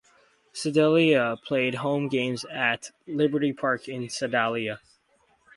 Sedalia played home games at Liberty Park in Sedalia.